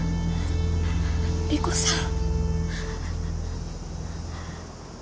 理子さん。